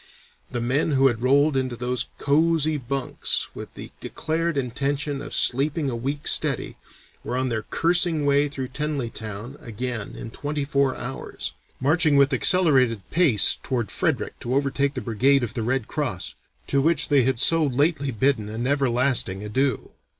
"The men who had rolled into those cosy bunks with the declared intention of 'sleeping a week steady,' were on their cursing way through Tenallytown again in twenty four hours, marching with accelerated pace toward Frederick to overtake the brigade of the red cross, to which they had so lately bidden an everlasting adieu.